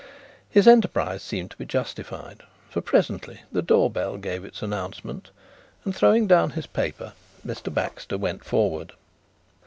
His enterprise seemed to be justified, for presently the door bell gave its announcement, and throwing down his paper Mr. Baxter went forward.